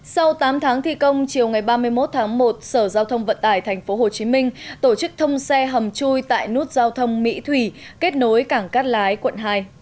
sau tám tháng thi công chiều ngày ba mươi một tháng một sở giao thông vận tải tp hcm tổ chức thông xe hầm chui tại nút giao thông mỹ thủy kết nối cảng cát lái quận hai